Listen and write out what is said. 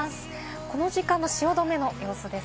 この時間の汐留の様子です。